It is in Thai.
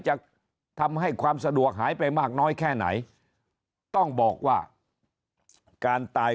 จะทำให้ความสะดวกหายไปมากน้อยแค่ไหนต้องบอกว่าการตาย